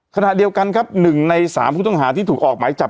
ขณะเดียวกันครับ๑ใน๓ผู้ต้องหาที่ถูกออกหมายจับ